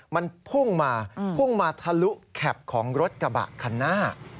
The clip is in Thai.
มันพุ่งมาพุ่งมาทะลุแคปของรถกระบะคันหน้า